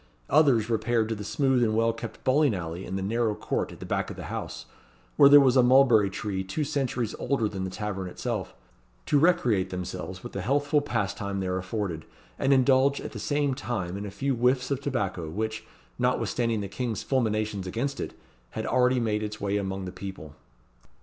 Others repaired to the smooth and well kept bowling alley in the narrow court at the back of the house, where there was a mulberry tree two centuries older than the tavern itself to recreate themselves with the healthful pastime there afforded, and indulge at the same time in a few whiffs of tobacco, which, notwithstanding the king's fulminations against it, had already made its way among the people.